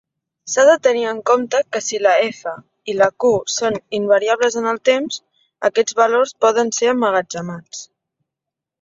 S'ha de tenir en compte que si la "F" i la "Q" són invariables en el temps, aquests valors poden ser emmagatzemats.